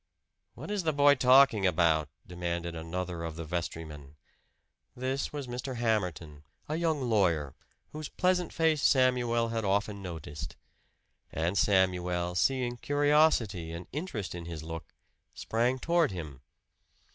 "What is the boy talking about?" demanded another of the vestrymen. This was Mr. Hamerton, a young lawyer, whose pleasant face Samuel had often noticed. And Samuel, seeing curiosity and interest in his look, sprang toward him.